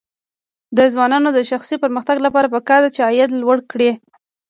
د ځوانانو د شخصي پرمختګ لپاره پکار ده چې عاید لوړ کړي.